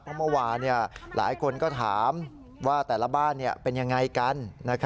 เพราะเมื่อวานหลายคนก็ถามว่าแต่ละบ้านเป็นยังไงกัน